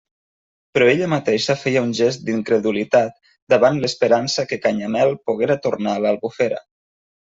Però ella mateixa feia un gest d'incredulitat davant l'esperança que Canyamel poguera tornar a l'Albufera.